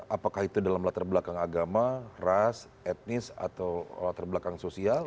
apakah itu dalam latar belakang agama ras etnis atau latar belakang sosial